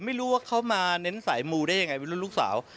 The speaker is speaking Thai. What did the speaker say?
ไม่รู้ว่าเขามาเน้นสายมูได้ยังไงเป็นรุ่นลูกสาว